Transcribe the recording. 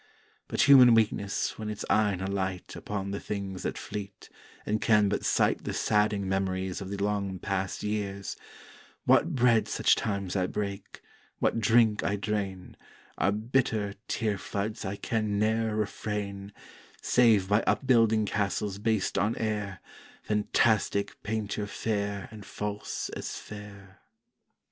But human weakness when its eyne alight Upon the things that fleet, and can but sight The sadding Memories of the long past years; What bread such times I break, what drink I drain, Are bitter tear floods I can ne'er refrain, Save by upbuilding castles based on air, Phantastick painture fair and false as fair.